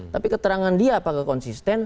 tapi keterangan dia apakah konsisten